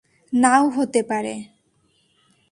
নাও হতে পারে।